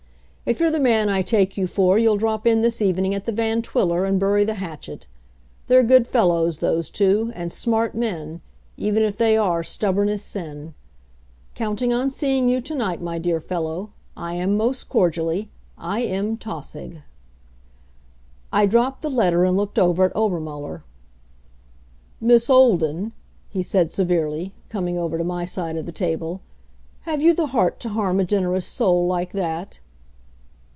If you're the man I take you for you'll drop in this evening at the Van Twiller and bury the hatchet. They're good fellows, those two, and smart men, even if they are stubborn as sin. Counting on seeing you to night, my dear fellow, I am most cordially, I. M. TAUSIG." I dropped the letter and looked over at Obermuller. "Miss Olden," he said severely, coming over to my side of the table, "have you the heart to harm a generous soul like that?"